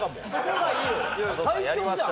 ・最強じゃん。